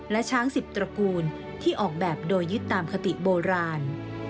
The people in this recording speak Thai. และช้าง๑๐ตระกูลที่ออกแบบโดยยึดตามคติโบราณ